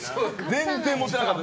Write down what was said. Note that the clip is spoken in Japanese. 全然モテなかった。